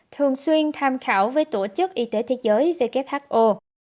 thường xuyên tham khảo với tổ chức y tế thế giới who